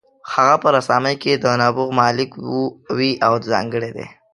هغه په رسامۍ کې د نبوغ مالک وي او ځانګړی دی.